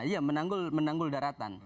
iya menanggul daratan